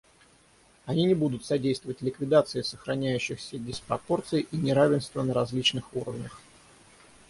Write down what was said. Они не будут содействовать ликвидации сохраняющихся диспропорций и неравенства на различных уровнях.